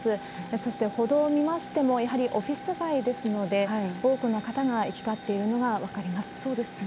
そして歩道を見ましても、やはりオフィス街ですので、多くの方が行き交っているのが分そうですね。